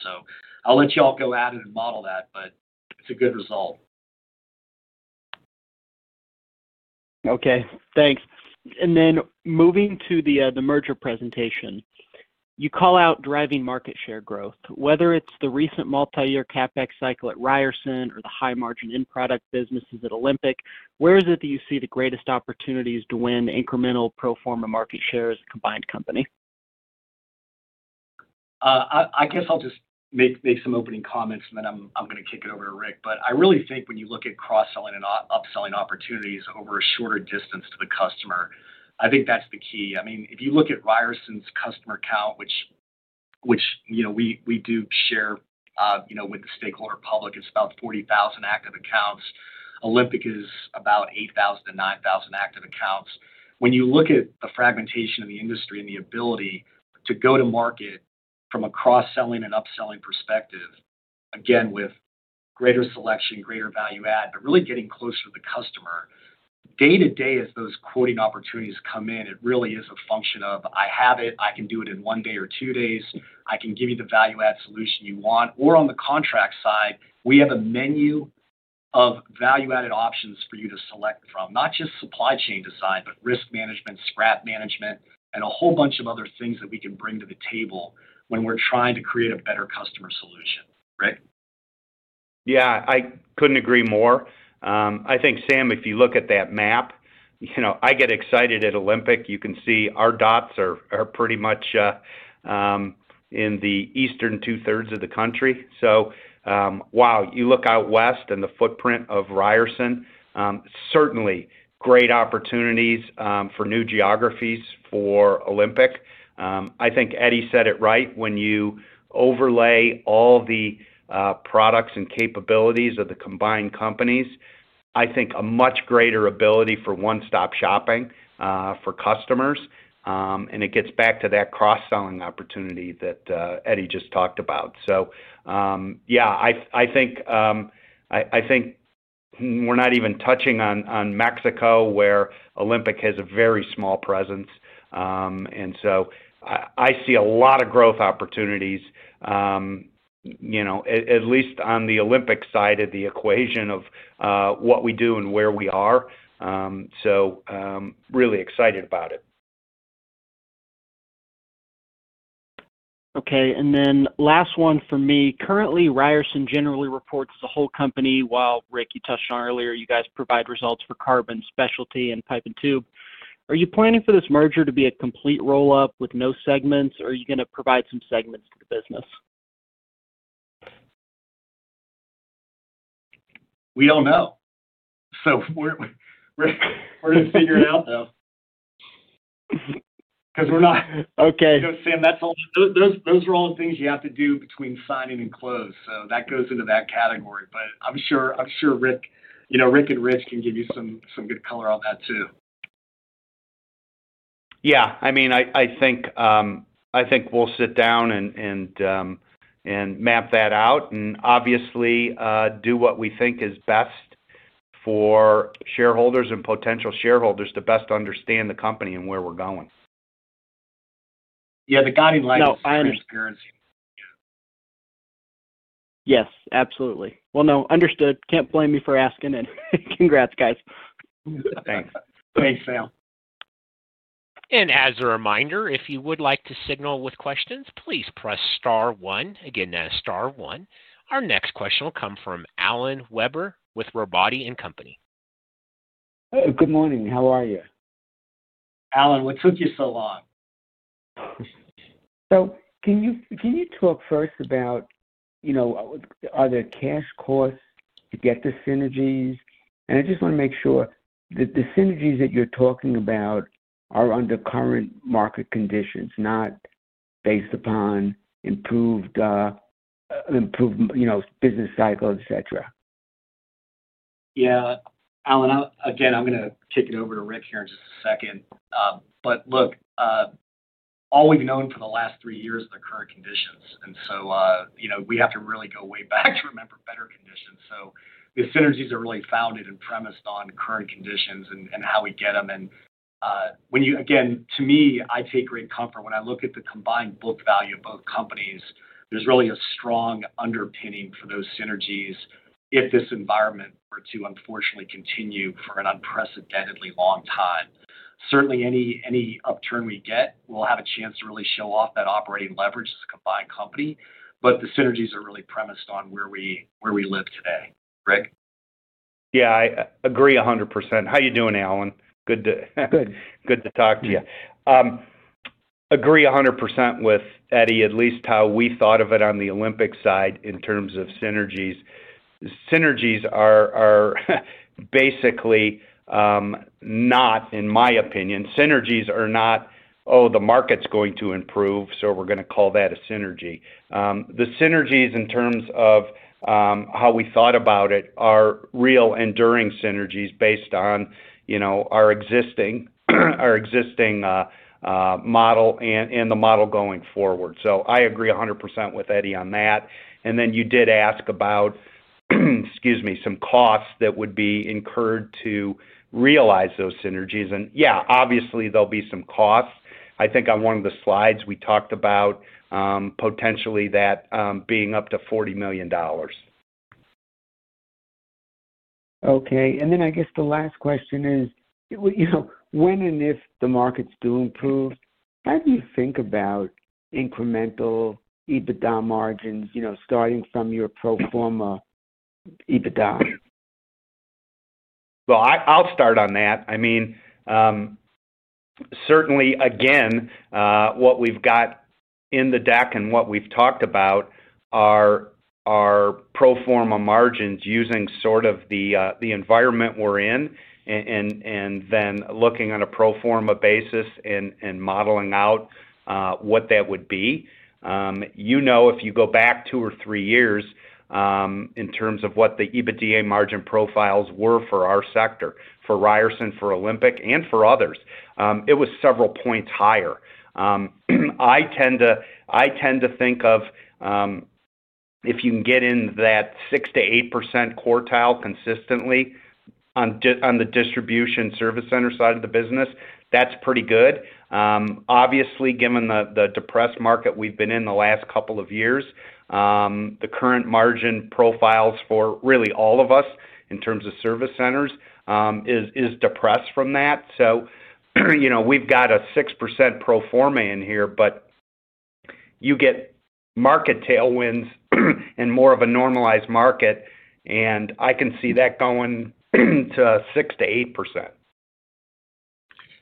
I'll let you all go at it and model that, but it's a good result. Okay. Thanks. Moving to the merger presentation, you call out driving market share growth. Whether it's the recent multi-year CapEx cycle at Ryerson or the high-margin end product businesses at Olympic, where is it that you see the greatest opportunities to win incremental pro forma market share as a combined company? I guess I'll just make some opening comments, and then I'm going to kick it over to Rick. I really think when you look at cross-selling and upselling opportunities over a shorter distance to the customer, I think that's the key. If you look at Ryerson's customer count, which we do share with the stakeholder public, it's about 40,000 active accounts. Olympic is about 8,000-9,000 active accounts. When you look at the fragmentation of the industry and the ability to go to market from a cross-selling and upselling perspective, again, with greater selection, greater value-add, but really getting closer to the customer day to day, as those quoting opportunities come in, it really is a function of, "I have it. I can do it in one day or two days. I can give you the value-add solution you want." On the contract side, we have a menu of value-added options for you to select from, not just supply chain design, but risk management, scrap management, and a whole bunch of other things that we can bring to the table when we're trying to create a better customer solution. Rick? Yeah. I couldn't agree more. I think, Sam, if you look at that map, I get excited at Olympic. You can see our dots are pretty much in the eastern two-thirds of the country. Wow, you look out west and the footprint of Ryerson. Certainly great opportunities for new geographies for Olympic. I think Eddie said it right. When you overlay all the products and capabilities of the combined companies, I think a much greater ability for one-stop shopping for customers. It gets back to that cross-selling opportunity that Eddie just talked about. Yeah, I think we're not even touching on Mexico, where Olympic has a very small presence. I see a lot of growth opportunities, at least on the Olympic side of the equation of what we do and where we are. Really excited about it. Okay. Last one for me. Currently, Ryerson generally reports as a whole company. While, Rick, you touched on earlier, you guys provide results for carbon, specialty, and pipe and tube. Are you planning for this merger to be a complete roll-up with no segments, or are you going to provide some segments to the business? We don't know. We're going to figure it out, though, because we're not. Okay. You know, Sam, those are all the things you have to do between signing and close. That goes into that category. I'm sure Rick and Rich can give you some good color on that too. I think we'll sit down and map that out and obviously do what we think is best for shareholders and potential shareholders to best understand the company and where we're going. Yeah, the guiding light is fine. Yes, absolutely. No, understood. Can't blame you for asking it. Congrats, guys. Thanks. Thanks, Sam. As a reminder, if you would like to signal with questions, please press star one. Again, that is star one. Our next question will come from Alan Weber with Robotti & Company. Good morning. How are you? Alan, what took you so long? Can you talk first about whether there are cash costs to get the synergies? I just want to make sure that the synergies you're talking about are under current market conditions, not based upon improved business cycles, etc.? Yeah. Alan, again, I'm going to kick it over to Rick here in just a second. Look, all we've known for the last three years are the current conditions. We have to really go way back to remember better conditions. The synergies are really founded and premised on current conditions and how we get them. Again, to me, I take great comfort when I look at the combined book value of both companies. There's really a strong underpinning for those synergies if this environment were to unfortunately continue for an unprecedentedly long time. Certainly, any upturn we get will have a chance to really show off that operating leverage as a combined company. The synergies are really premised on where we live today. Rick? Yeah, I agree 100%. How are you doing, Alan? Good, good to talk to you. Good. agree 100% with Eddie, at least how we thought of it on the Olympic side in terms of synergies. Synergies are, basically, not, in my opinion, synergies are not, "Oh, the market's going to improve, so we're going to call that a synergy." The synergies, in terms of how we thought about it, are real enduring synergies based on our existing model and the model going forward. I agree 100% with Eddie on that. You did ask about, excuse me, some costs that would be incurred to realize those synergies. Yeah, obviously, there'll be some costs. I think on one of the slides, we talked about potentially that being up to $40 million. Okay. I guess the last question is, when and if the markets do improve, how do you think about incremental EBITDA margins starting from your pro forma EBITDA? I mean, certainly, again, what we've got in the deck and what we've talked about are pro forma margins using sort of the environment we're in and then looking on a pro forma basis and modeling out what that would be. You know, if you go back two or three years in terms of what the EBITDA margin profiles were for our sector, for Ryerson, for Olympic, and for others, it was several points higher. I tend to think of if you can get in that 6%-8% quartile consistently on the distribution service center side of the business, that's pretty good. Obviously, given the depressed market we've been in the last couple of years, the current margin profiles for really all of us in terms of service centers is depressed from that. We've got a 6% pro forma in here, but you get market tailwinds and more of a normalized market, and I can see that going to 6%-8%.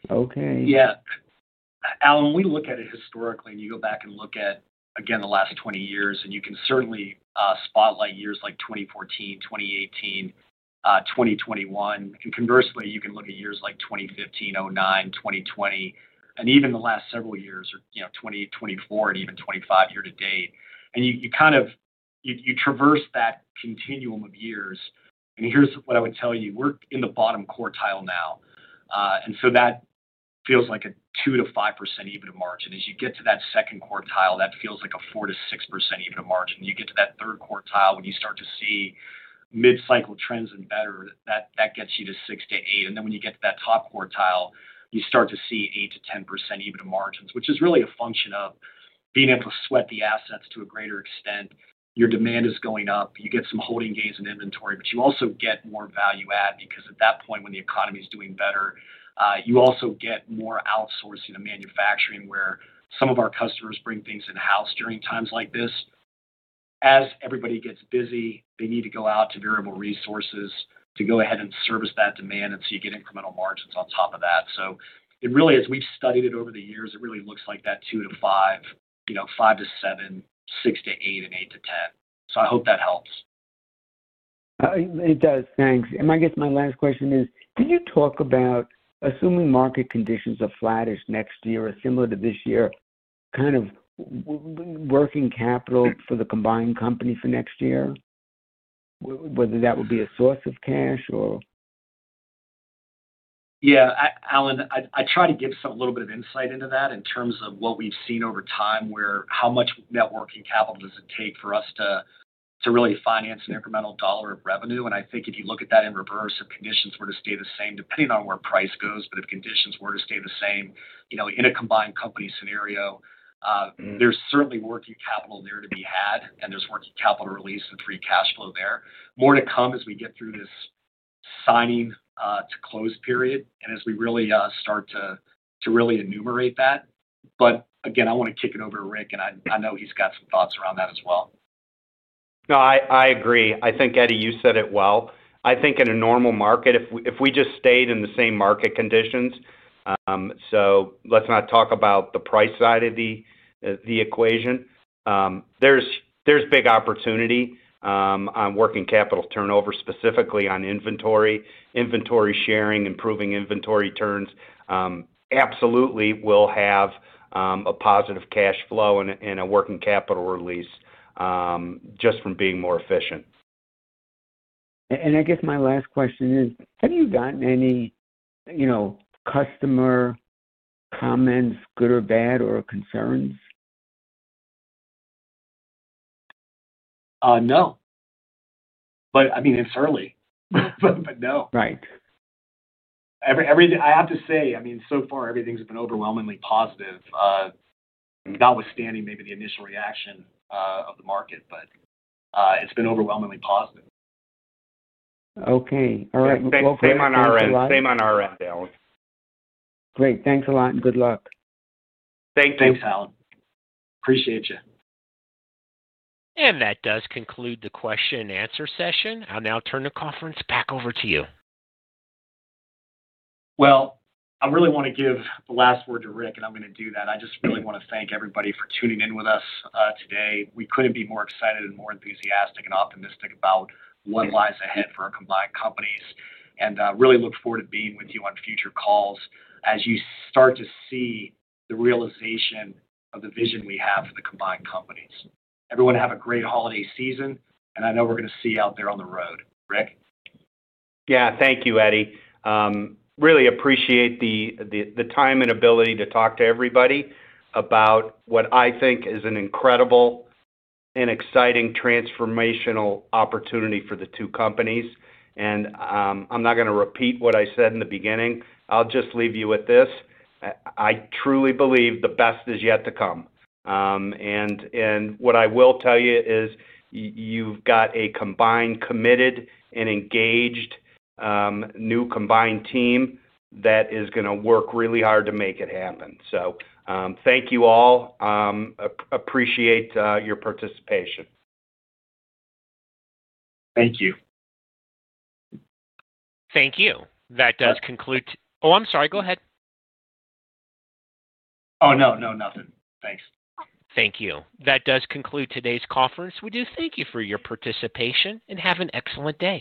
Okay. Yeah. Alan, we look at it historically, and you go back and look at, again, the last 20 years, and you can certainly spotlight years like 2014, 2018, 2021. Conversely, you can look at years like 2015, 2009, 2020, and even the last several years, 2024 and even 2025 here to date. You kind of traverse that continuum of years. Here's what I would tell you. We're in the bottom quartile now, and that feels like a 2%-5% EBITDA margin. As you get to that second quartile, that feels like a 4%-6% EBITDA margin. You get to that third quartile, when you start to see mid-cycle trends and better, that gets you to 6%-8%. When you get to that top quartile, you start to see 8%-10% EBITDA margins, which is really a function of being able to sweat the assets to a greater extent. Your demand is going up. You get some holding gains in inventory, but you also get more value-add because at that point, when the economy is doing better, you also get more outsourcing and manufacturing where some of our customers bring things in-house during times like this. As everybody gets busy, they need to go out to variable resources to go ahead and service that demand. You get incremental margins on top of that. As we've studied it over the years, it really looks like that 2%-5%, 5%-7%, 6%-8%, and 8%-10%. I hope that helps. It does. Thanks. I guess my last question is, can you talk about, assuming market conditions are flattish next year or similar to this year, kind of working capital for the combined company for next year? Whether that would be a source of cash or. Yeah. Alan, I try to give some a little bit of insight into that in terms of what we've seen over time, where how much working capital does it take for us to really finance an incremental dollar of revenue. I think if you look at that in reverse, if conditions were to stay the same, depending on where price goes, if conditions were to stay the same in a combined company scenario, there's certainly working capital there to be had, and there's working capital to release to free cash flow there. More to come as we get through this signing to close period and as we really start to really enumerate that. Again, I want to kick it over to Rick, and I know he's got some thoughts around that as well. No, I agree. I think, Eddie, you said it well. I think in a normal market, if we just stayed in the same market conditions, let's not talk about the price side of the equation. There's big opportunity on working capital turnover, specifically on inventory, inventory sharing, improving inventory turns. Absolutely will have a positive cash flow and a working capital release just from being more efficient. I guess my last question is, have you gotten any customer comments, good or bad, or concerns? No, I mean, it's early. No. Right. I have to say, I mean, so far, everything's been overwhelmingly positive. Notwithstanding maybe the initial reaction of the market, it's been overwhelmingly positive. Okay. All right. Thanks. Same on our end, Alan. Great. Thanks a lot, and good luck. Thank you. Thanks, Alan. Appreciate you. That does conclude the question-and-answer session. I'll now turn the conference back over to you. I really want to give the last word to Rick, and I'm going to do that. I just really want to thank everybody for tuning in with us today. We couldn't be more excited, more enthusiastic, and optimistic about what lies ahead for our combined companies. I really look forward to being with you on future calls as you start to see the realization of the vision we have for the combined companies. Everyone have a great holiday season, and I know we're going to see you out there on the road. Rick? Thank you, Eddie. Really appreciate the time and ability to talk to everybody about what I think is an incredible and exciting transformational opportunity for the two companies. I'm not going to repeat what I said in the beginning. I'll just leave you with this. I truly believe the best is yet to come. What I will tell you is you've got a combined, committed, and engaged new combined team that is going to work really hard to make it happen. Thank you all. Appreciate your participation. Thank you. Thank you. That does conclude. Thank you. Oh, I'm sorry. Go ahead. No, nothing. Thanks. Thank you. That does conclude today's conference. We do thank you for your participation and have an excellent day.